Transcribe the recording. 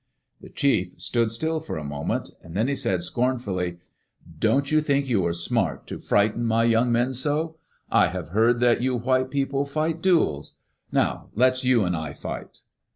The chief stood still for a moment Then he said, scornfully : "Don't you think you are smart to frighten my young men sol I have heard that you white people fight duels. Now let's you and I fight."